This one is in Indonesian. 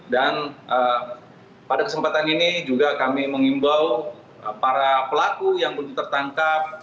dan pada kesempatan ini juga kami mengimbau para pelaku yang belum tertangkap